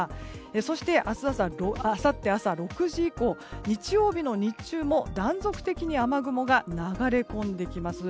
そして、あさって朝６時以降日曜日の日中も断続的に雨雲が流れ込んできます。